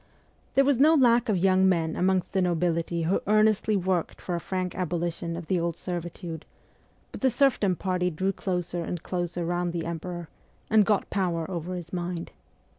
There was no lack of young men amongst the nobility who earnestly worked for a frank abolition of the old servitude ; but the serfdom party drew closer and closer round the emperor, and got power over his mind.